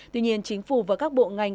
tuy nhiên chính phủ và các bộ ngành